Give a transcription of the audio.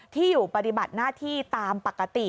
ที่อยู่ปฏิบัติหน้าที่ตามปกติ